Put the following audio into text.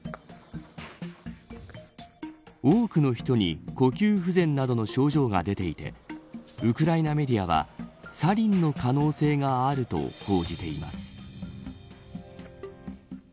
多くの人に呼吸不全などの症状が出ていてウクライナメディアはサリンの可能性があると報じています。